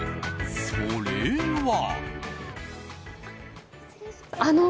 それは。